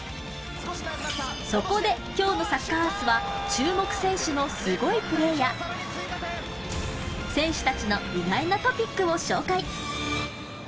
そこで今日の『サッカー★アース』は注目選手のすごいプレーや、選手たちの意外なトピックを紹介。